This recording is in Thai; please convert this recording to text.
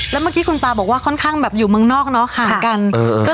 แล้วเมื่อกี้คุณตาบอกว่าค่อนข้างแบบอยู่เมืองนอกเนอะห่างกัน